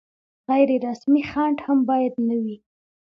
غیر رسمي خنډ هم باید نه وي.